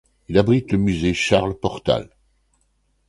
Il abrite le Musée Charles Portal.